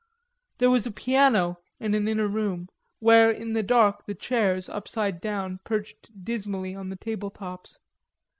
There was a piano in an inner room, where in the dark the chairs, upside down, perched dismally on the table tops.